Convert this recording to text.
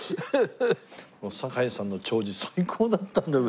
堺さんの弔辞最高だったんだよ。